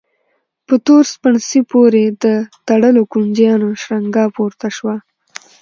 په تور سپڼسي پورې د تړلو کونجيانو شرنګا پورته شوه.